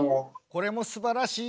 これもすばらしい。